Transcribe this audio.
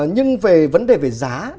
nhưng về vấn đề về giá